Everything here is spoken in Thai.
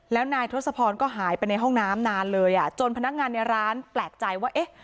แล้วนายทศพรก็หายไปในห้องน้ำนานเลยอ่ะจนพนักงานในร้านแปลกใจว่าเอ๊ะ